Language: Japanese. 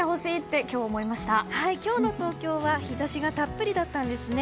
今日の東京は日差しがたっぷりだったんですね。